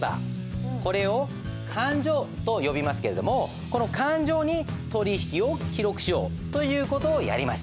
これを勘定と呼びますけれどもこの勘定に取引を記録しようという事をやりました。